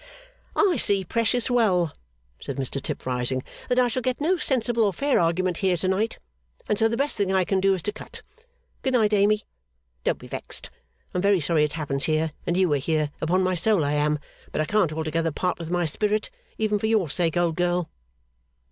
'I see precious well,' said Mr Tip, rising, 'that I shall get no sensible or fair argument here to night, and so the best thing I can do is to cut. Good night, Amy. Don't be vexed. I am very sorry it happens here, and you here, upon my soul I am; but I can't altogether part with my spirit, even for your sake, old girl.